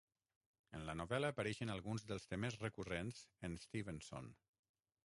En la novel·la apareixen alguns dels temes recurrents en Stevenson.